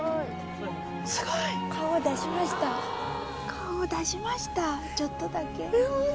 顔出しましたちょっとだけ。